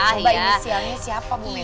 coba inisialnya siapa bu